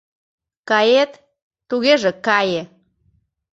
Кает – тугеже кае: